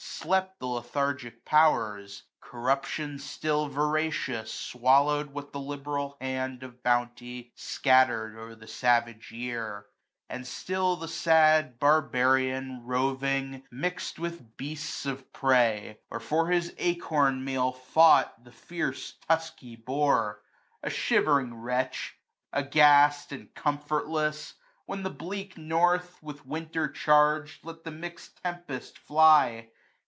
Slept the lethargic powers ; corruption still. Voracious, swallow'd what the liberal hand 55 Of bounty scatter'd o'er the savage year : And still the fad barbarian, roving, mix'd With beasts of prey ; or for his acommeal & a 114 AUTUMN. Fought the fierce tusky boar ; a fliivering wretch ! Aghast, and comfortless, when the bleak north, 6b With Winter charg'd, let the mix'd tempest fly.